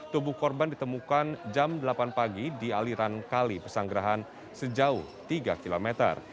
tubuh korban ditemukan jam delapan pagi di aliran kali pesanggerahan sejauh tiga km